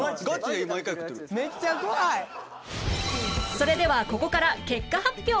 それではここから結果発表